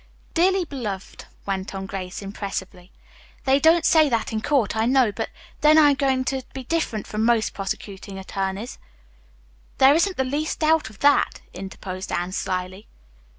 Dearly beloved," went on Grace impressively, "they don't say that in court, I know, but then I'm going to be different from most prosecuting attorneys." "There isn't the least doubt of that," interposed Anne slyly.